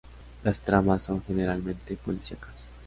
Las tramas son generalmente policiacas.